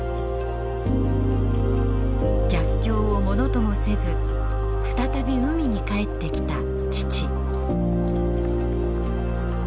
逆境をものともせず再び海に帰ってきた父。